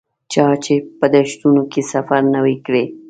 چا چې په دښتونو کې سفر نه وي کړی.